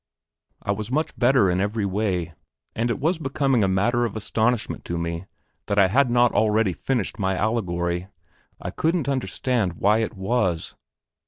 I was much better in every way, and it was becoming a matter of astonishment to me that I had not already finished my allegory. I couldn't understand why it was....